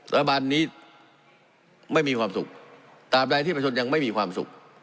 บันนี้ไม่มีความสุขตามใดที่ประชนยังไม่มีความสุข